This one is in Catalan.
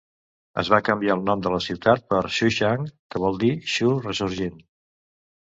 Es va canviar el nom de la ciutat per "Xuchang", que vol dir "Xu Ressorgint".